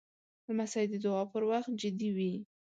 لمسی د دعا پر وخت جدي وي.